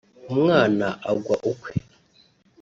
umwana agwa ukwe